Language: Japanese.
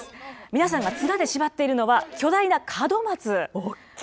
皆さんが綱で縛っているのは、巨大きい。